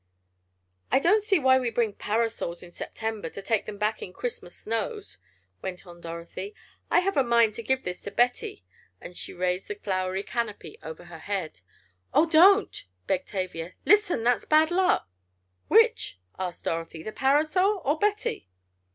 "I don't see why we bring parasols in September to take them back in Christmas snows," went on Dorothy. "I have a mind to give this to Betty," and she raised the flowery canopy over her head. "Oh, don't!" begged Tavia. "Listen! That's bad luck!" "Which?" asked Dorothy, "the parasol or Betty?"